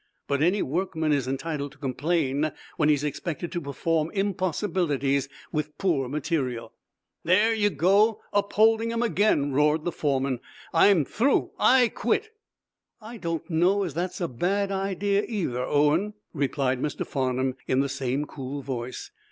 But any workman is entitled to complain when he's expected to perform impossibilities with poor material." "There ye go, upholding 'em again," roared the foreman. "I'm through. I've quit!" "I don't know as that's a bad idea, either, Owen," replied Mr. Farnum, in the same cool voice.